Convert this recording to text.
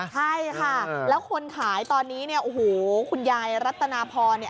ใช่ค่ะแล้วคนขายตอนนี้เนี่ยโอ้โหคุณยายรัตนาพรเนี่ย